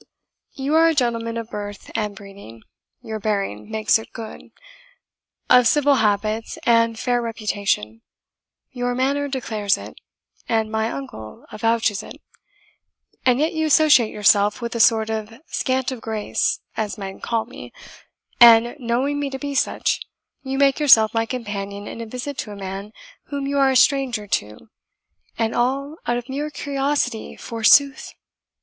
You are a gentleman of birth and breeding your bearing makes it good; of civil habits and fair reputation your manners declare it, and my uncle avouches it; and yet you associate yourself with a sort of scant of grace, as men call me, and, knowing me to be such, you make yourself my companion in a visit to a man whom you are a stranger to and all out of mere curiosity, forsooth!